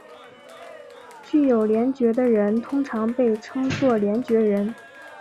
具有联觉的人通常被称作联觉人。